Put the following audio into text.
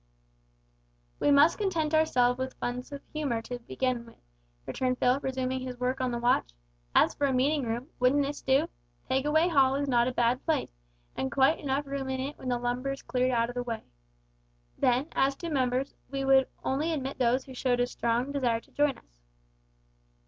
"We must content ourselves with funds of humour to begin with," returned Phil, resuming his work on the watch. "As for a meeting room, wouldn't this do? Pegaway Hall is not a bad place, and quite enough room in it when the lumber's cleared out o' the way. Then, as to members, we would only admit those who showed a strong desire to join us."